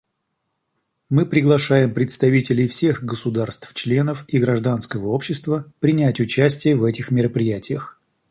Мы приглашаем представителей всех государств-членов и гражданского общества принять участие в этих мероприятиях.